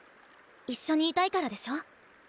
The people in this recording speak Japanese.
一緒にいたいからでしょ？